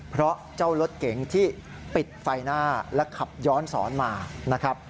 เพราะเจ้ารถเก๋งที่ปิดไฟหน้าและขับย้อนสอนมานะครับ